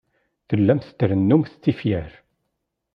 Tellamt trennumt tifyar.